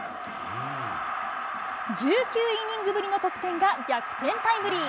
１９イニングぶりの得点が逆転タイムリー。